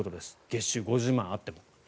月収５０万円あっても。